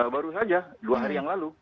baru saja dua hari yang lalu